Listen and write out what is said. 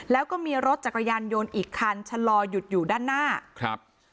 แล้วก็มีรถจักรยานยนต์อีกคันชะลอหยุดอยู่ด้านหน้าครับ